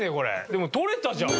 でも取れたじゃん。